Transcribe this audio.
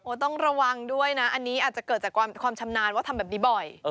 ต้องระวังด้วยนะอันนี้อาจจะเกิดจากความชำนาญว่าทำแบบนี้บ่อย